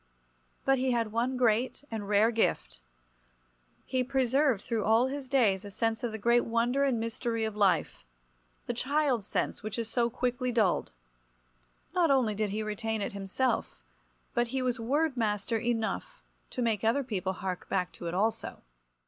But he had one great and rare gift. He preserved through all his days a sense of the great wonder and mystery of life—the child sense which is so quickly dulled. Not only did he retain it himself, but he was word master enough to make other people hark back to it also.